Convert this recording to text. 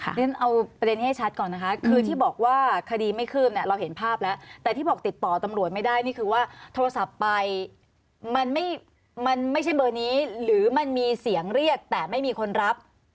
เรียนเอาประเด็นให้ชัดก่อนนะคะคือที่บอกว่าคดีไม่คืบเนี่ยเราเห็นภาพแล้วแต่ที่บอกติดต่อตำรวจไม่ได้นี่คือว่าโทรศัพท์ไปมันไม่มันไม่ใช่เบอร์นี้หรือมันมีเสียงเรียกแต่ไม่มีคนรับ